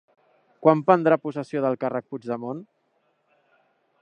Quan prendrà possessió del càrrec Puigdemont?